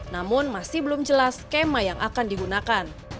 namun masih belum jelas skema yang akan digunakan